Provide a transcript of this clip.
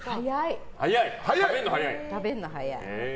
食べるの早い。